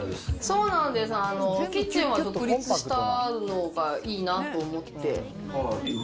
そうなんです、キッチンは独立したのがいいなと思って。